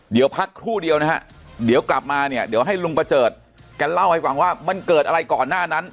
เดี๋ยวพักครู่เดียวนะฮะเดี๋ยวกลับมาเนี่ยเดี๋ยวให้ลุงประเจิดแกเล่าให้ฟังว่ามันเกิดอะไรก่อนหน้านั้น